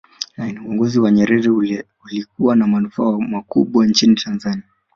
uongozi wa nyerere ulikuwa na manufaa makubwa nchini tanzania